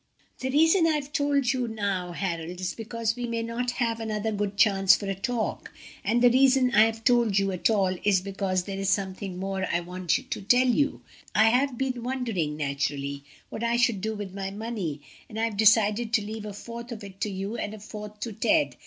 "The reason I've told you now, Harold, is because we may not have such another good chance for a talk; and the reason I have told you at all is because there is something more I want to tell you. I have been wondering naturally what I should do with my money, and I've decided to leave a fourth of it to you and a fourth to Ted.